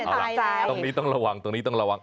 ใช่พูดออกไปตรงนี้ต้องระวัง